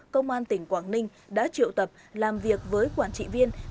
công an tỉnh quảng ninh đã triệu tập làm việc với quản trị viên